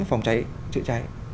phòng cháy chữa cháy